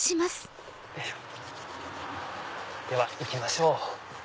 では行きましょう。